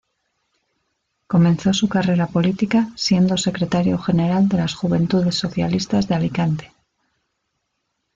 Comenzó su carrera política siendo Secretario General de las Juventudes Socialistas de Alicante.